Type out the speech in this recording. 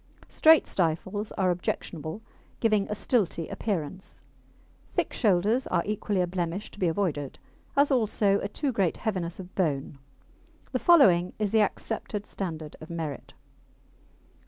Straight stifles are objectionable, giving a stilty appearance. Thick shoulders are equally a blemish to be avoided, as also a too great heaviness of bone. The following is the accepted standard of merit.